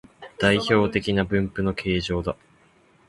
代表的な分布の形状だ